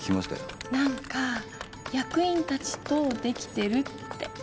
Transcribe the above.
何か役員たちとできてるって。